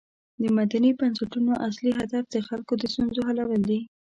د مدني بنسټونو اصلی هدف د خلکو د ستونزو حلول دي.